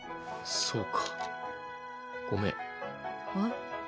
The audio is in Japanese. そうかごめん。